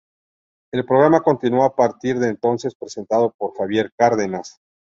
El programa continuó a partir de entonces presentado por Javier Cárdenas.